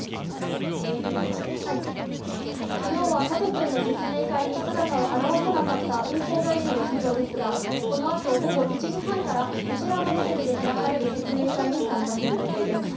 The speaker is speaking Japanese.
昨日は家族への説明会に姿を現さなかった運航会社の社長ですがこのあと午後１時半からこちらのホテルで開かれる説明会に参加する予定です。